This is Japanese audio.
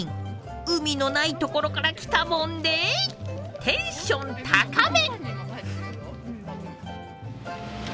海のない所から来たもんでテンション高め！